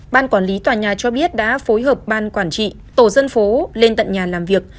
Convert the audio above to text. ban quản lý tòa nhà cho biết đã phối hợp ban quản trị tổ dân phố lên tận nhà làm việc